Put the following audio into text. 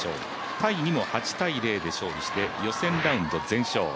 タイにも８−０で勝利して予選ラウンド、全勝。